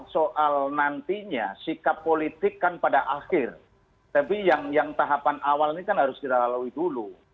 soal nantinya sikap politik kan pada akhir tapi yang tahapan awal ini kan harus kita lalui dulu